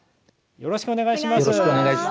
よろしくお願いします。